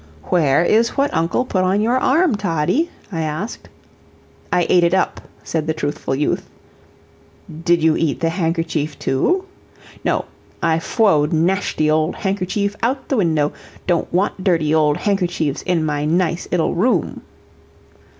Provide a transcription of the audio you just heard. "Where is what uncle put on your arm, Toddie?" I asked. "I ate it up," said the truthful youth. "Did you eat the handkerchief, too?" "No; I froed nashty old handkerchief out the window don't want dirty old handkerchiefs in my nice 'ittle room."